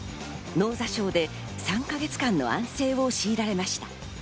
脳挫傷で３か月間の安静をしいられました。